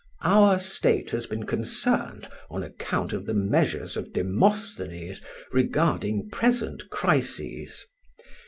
Our State has been concerned on account of the measures of Demosthenes regarding present crises.